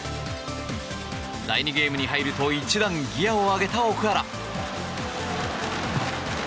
第２ゲームに入ると一段ギアを上げた奥原。